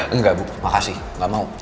enggak bu makasih nggak mau